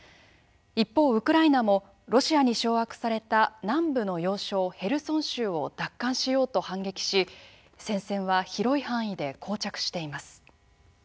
一方、ウクライナもロシアに掌握された南部の要衝ヘルソン州を奪還しようと反撃し戦線は広い範囲でこう着しています。